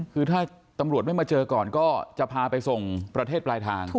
คือถ้าตำรวจไม่มาเจอก่อนก็จะพาไปส่งประเทศปลายทาง